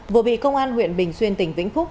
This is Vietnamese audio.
vừa bị công an huyện bình xuyên tỉnh vĩnh phúc